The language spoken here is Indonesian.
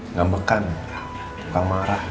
ngebekan bukan marah